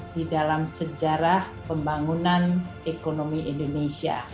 di dalam sejarah pembangunan ekonomi indonesia